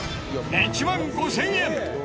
１万５０００円！